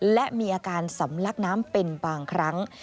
และมีอาการสำลักน้ำเป็นบางครั้ง